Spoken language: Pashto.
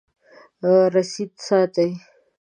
رسید ساتئ؟